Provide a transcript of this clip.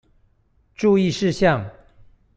注意事項